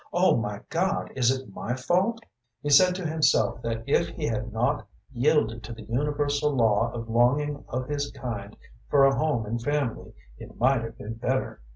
"Oh, my God, is it my fault?" He said to himself that if he had not yielded to the universal law and longing of his kind for a home and a family, it might have been better.